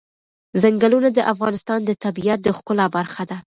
ځنګلونه د افغانستان د طبیعت د ښکلا برخه ده.